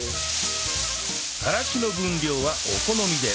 からしの分量はお好みで